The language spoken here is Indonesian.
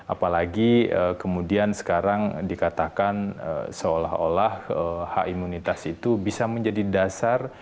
apalagi kemudian sekarang dikatakan seolah olah hak imunitas itu bisa menjadi dasar